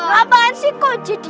karena banget sih kok jadi